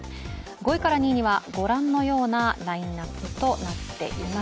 ５位から２位には、ご覧のようなラインナップとなっています。